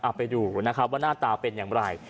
เอาไปดูนะครับว่าหน้าตาเป็นอย่างไร